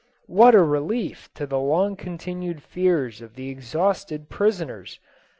What a relief to the long continued fears of the exhausted prisoners !